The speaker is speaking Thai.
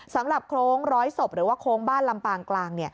โครงร้อยศพหรือว่าโค้งบ้านลำปางกลาง